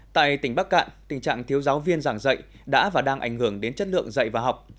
tại tỉnh bắc cạn tình trạng thiếu giáo viên giảng dạy đã và đang ảnh hưởng đến chất lượng dạy và học